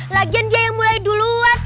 lagian dia yang mulai duluan